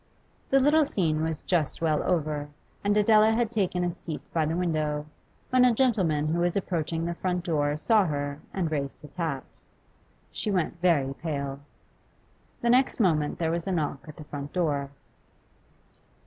The little scene was just well over, and Adela had taken a seat by the window, when a gentleman who was approaching the front door saw her and raised his hat. She went very pale. The next moment there was a knock at the front door.